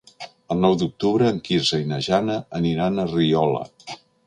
El nou d'octubre en Quirze i na Jana aniran a Riola.